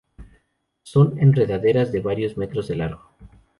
Son enredaderas de varios metros de largo.